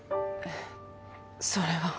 それは。